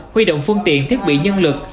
huy động phương tiện thiết bị nhân lực